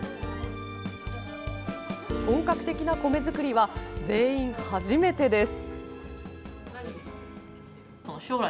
本格的な米作りは全員初めてです。